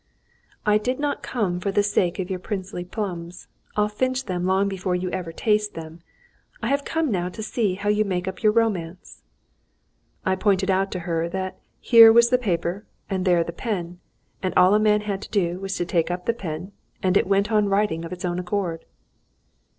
"I did not come for the sake of your princely plums; I filch them long before you ever taste them. I have come now to see how you make up your romance." I pointed out to her that here was the paper and there the pen, and all a man had to do was to take up the pen, and it went on writing of its own accord.